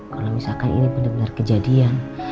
kalau misalkan ini benar benar kejadian